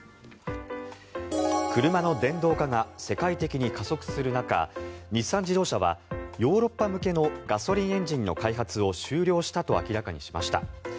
車の電動化が世界的に加速する中日産自動車はヨーロッパ向けのガソリンエンジンの開発を終了したと明らかにしました。